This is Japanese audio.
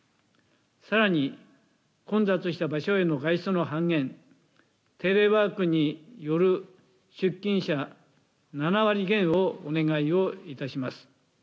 さらに混雑した場所への外出の半減、テレワークによる出勤者、７割減をお願いいたします。